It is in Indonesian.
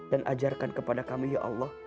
dan ajarkan kepada kami ya allah